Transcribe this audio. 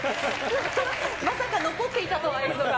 まさか残っていたとは、映像が。